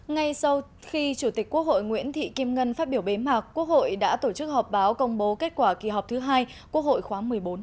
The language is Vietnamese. ngay sau khi chủ tịch quốc hội nguyễn thị kim ngân phát biểu bế mạc quốc hội đã tổ chức họp báo công bố kết quả kỳ họp thứ hai quốc hội khóa một mươi bốn